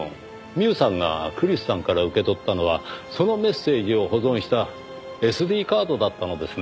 ミウさんがクリスさんから受け取ったのはそのメッセージを保存したＳＤカードだったのですね。